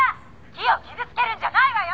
木を傷つけるんじゃないわよ！」